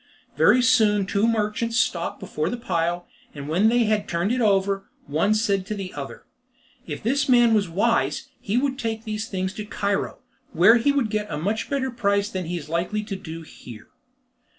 Very soon two merchants stopped before the pile, and when they had turned it over, one said to the other: "If this man was wise he would take these things to Cairo, where he would get a much better price than he is likely to do here."